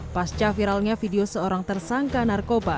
pasca viralnya video seorang tersangka narkoba